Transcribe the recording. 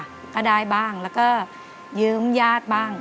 ก็ได้บ้างแล้วก็ยืมญาติบ้าง